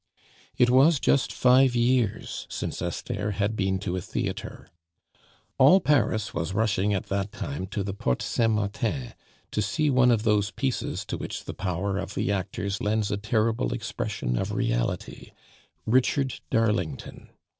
It was just five years since Esther had been to a theatre. All Paris was rushing at that time to the Porte Saint Martin, to see one of those pieces to which the power of the actors lends a terrible expression of reality, Richard Darlington.